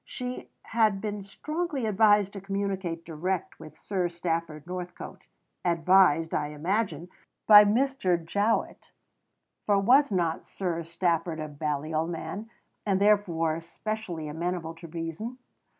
She had been "strongly advised to communicate direct with Sir Stafford Northcote"; advised, I imagine, by Mr. Jowett (for was not Sir Stafford a Balliol man, and therefore specially amenable to reason?)